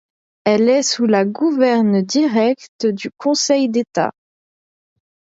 Elle est sous la gouverne directe du Conseil d'État.